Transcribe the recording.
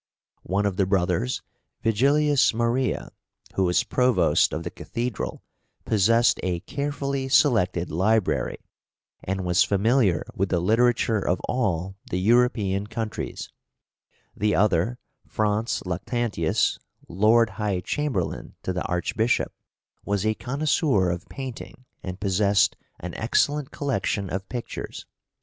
One of the brothers, Vigilius Maria, who was provost of the cathedral, possessed a carefully selected library, and was familiar with the literature of all the {THE NOBILITY OF SALZBURG.} (333) European countries; the other, Franz Lactantius, Lord High Chamberlain to the Archbishop, was a connoisseur of painting and possessed an excellent collection of pictures.